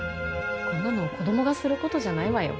こんなの子どもがする事じゃないわよ。